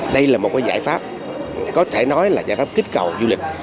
đây là một giải pháp có thể nói là giải pháp kích cầu du lịch